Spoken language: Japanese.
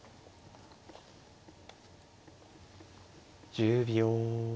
１０秒。